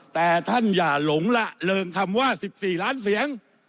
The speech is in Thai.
แต่ท่านอย่าหลงละเริงคำว่า๑๔ล้านเสียง